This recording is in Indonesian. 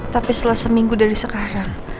tapi setelah seminggu dari sekarang